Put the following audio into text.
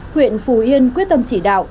huyện phù yên quyết tâm chỉ đạo